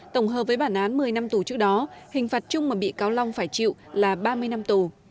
tổng hợp với bản án một mươi năm tù trước đó hình phạt chung mà bị cáo long phải chịu là ba mươi năm tù